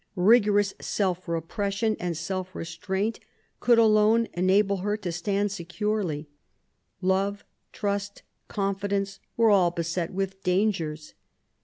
Rigorous self repression and self restraint could alone enable her to stand securely. Love, trust, confidence were all beset with dangers.